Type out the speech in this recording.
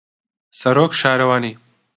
سەرۆک شارەوانی